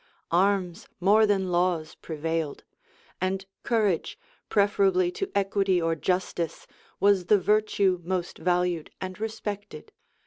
Arms, more than laws, prevailed; and courage, preferably to equity or justice, was the virtue most valued and respected.